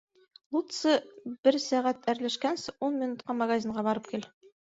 Лутсы, бер сәғәт әрләшкәнсе, ун минутҡа магазинға барып кил.